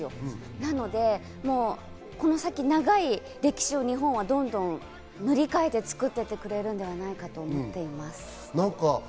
なので、この先、長い歴史を日本はどんどん塗り替えて作っていってくれるんではないかと思っています。